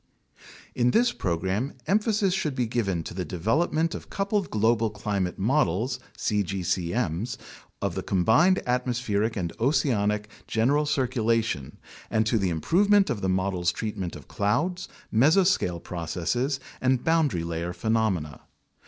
In this program, emphasis should be given to the development of coupled global climate models (cgcm's) of the combined atmospheric and oceanic general circulation and to the improvement of the models' treatment of clouds, mesoscale processes, and boundary layer phenomena.